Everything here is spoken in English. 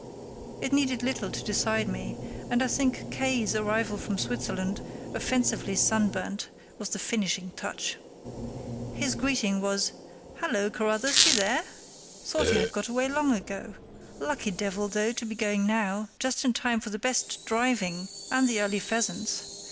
It needed little to decide me, and I think K——'s arrival from Switzerland, offensively sunburnt, was the finishing touch. His greeting was "Hullo, Carruthers, you here? Thought you had got away long ago. Lucky devil, though, to be going now, just in time for the best driving and the early pheasants.